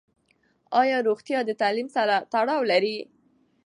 ایا روغتیا د تعلیم سره تړاو لري؟